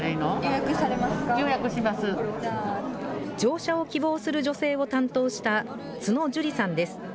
乗車を希望する女性を担当した津野樹璃さんです。